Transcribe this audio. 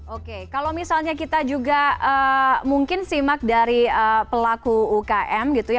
oke kalau misalnya kita juga mungkin simak dari pelaku ukm gitu ya